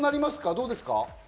どうですか？